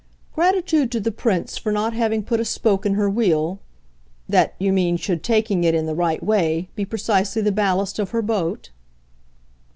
"Gratitude to the Prince for not having put a spoke in her wheel that, you mean, should, taking it in the right way, be precisely the ballast of her boat?"